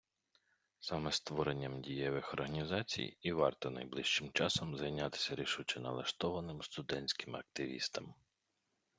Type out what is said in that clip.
Саме створенням дієвих організацій і варто найближчим часом зайнятися рішуче налаштованим студентським активістам.